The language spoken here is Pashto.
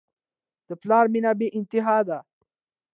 د پلار مینه بېانتها ده.